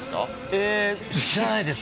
えー、知らないです。